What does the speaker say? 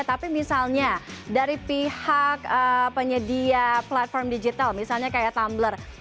tapi misalnya dari pihak penyedia platform digital misalnya kayak tumbler